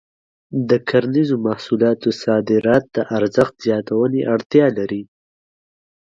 د کرنیزو محصولاتو صادرات د ارزښت زیاتونې اړتیا لري.